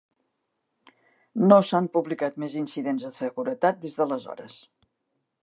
No s'han publicat més incidents de seguretat des d'aleshores.